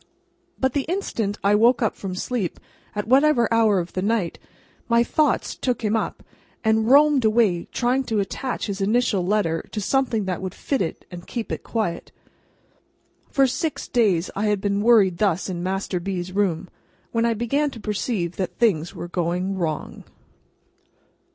But, the instant I awoke from sleep, at whatever hour of the night, my thoughts took him up, and roamed away, trying to attach his initial letter to something that would fit it and keep it quiet. For six nights, I had been worried thus in Master B.'s room, when I began to perceive that things were going wrong.